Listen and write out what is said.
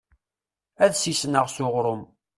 Ad sisneɣ s uɣṛum.